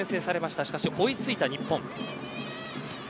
しかし、追い付いた日本。